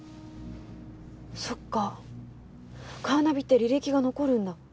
そっかカーナビって履歴が残るんだ。